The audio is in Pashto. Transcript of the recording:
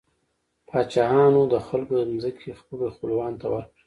پاچاهانو د خلکو ځمکې خپلو خپلوانو ته ورکړې.